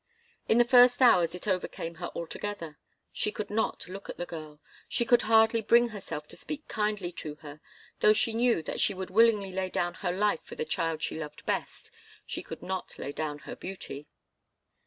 In the first hours it overcame her altogether. She could not look at the girl. She could hardly bring herself to speak kindly to her; though she knew that she would willingly lay down her life for the child she loved best, she could not lay down her beauty.